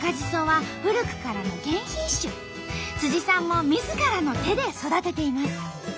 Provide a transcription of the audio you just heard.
さんもみずからの手で育てています。